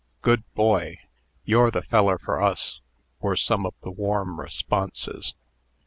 "Good boy!" "You're the feller for us!" were some of the warm responses.